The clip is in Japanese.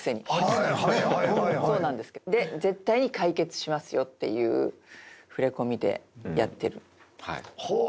で絶対に解決しますよっていう触れ込みでやってる。